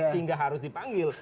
sehingga harus dipanggil